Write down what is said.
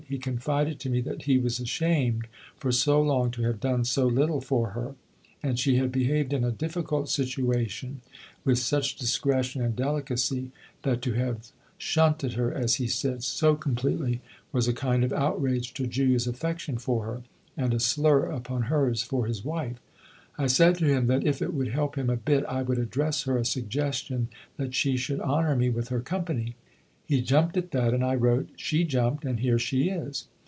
He confided to me that he was ashamed for so long to have done so little for her ; and she had behaved in a difficult situation with such discretion and delicacy that to have ' shunted ' her, as he said, so completely was a kind of outrage to Julia's affection for her and a slur upon hers for his wife. I said to him that if it would help him a bit I would address her a suggestion that she should honour me with her company. He jumped at that, and I wrote. She jumped, and here she is."